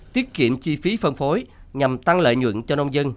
tiết kiệm chi phí phân phối nhằm tăng lợi nhuận cho nông dân